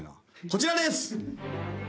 こちらです！